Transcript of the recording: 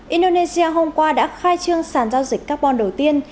indonesia hôm qua đã khai trương sản giao dịch carbon đầu tiên